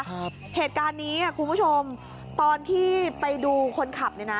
เหตุการณ์นี้อ่ะคุณผู้ชมตอนที่ไปดูคนขับเนี่ยนะ